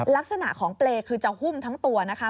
ลักษณะของเปรย์คือจะหุ้มทั้งตัวนะคะ